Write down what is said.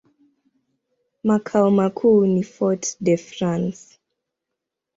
Makao makuu ni Fort-de-France.